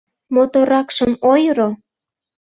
Моторракшым ойыро.